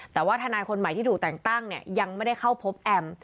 แต่ว่าทนายคนใหม่ที่ถูกแต่งตั้งเนี่ยยังไม่ได้เข้าพบแอม